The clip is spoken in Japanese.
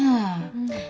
うん。